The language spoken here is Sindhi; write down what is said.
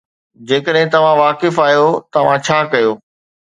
جيڪڏهن توهان واقف آهيو، توهان ڇا ڪيو؟